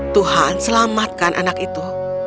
tuhan selamatkan anak itu